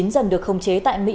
dần được khống chế tại mỹ